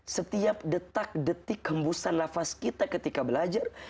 setiap detak detik hembusan nafas kita ketika belajar